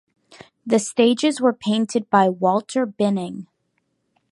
The stages were painted by Walter Binning.